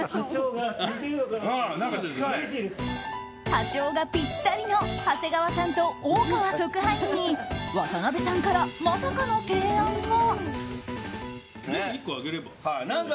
波長がぴったりの長谷川さんと大川特派員に渡辺さんからまさかの提案が。